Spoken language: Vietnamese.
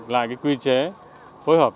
lại cái quy chế phối hợp